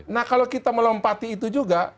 nah kalau kita melompati itu juga